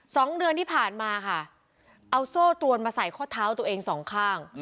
สองเดือนที่ผ่านมาค่ะเอาโซ่ตรวนมาใส่ข้อเท้าตัวเองสองข้าง